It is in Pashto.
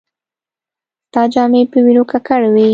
ستا جامې په وينو ککړې وې.